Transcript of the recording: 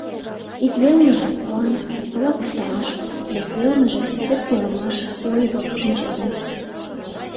Ик велныже — куан, весела куштымаш, вес велныже — ӧпкелымаш, ойго, шинчавӱд.